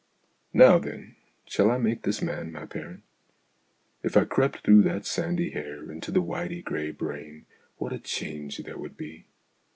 Now, then, shall I make this man my parent ? If I crept through that sandy hair into the whitey grey brain, what a change there would be.